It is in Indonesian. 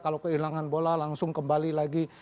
kalau kehilangan bola langsung kembali lagi